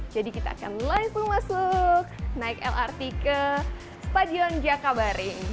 jadi kita akan langsung masuk naik lrt ke spasiun jakabaring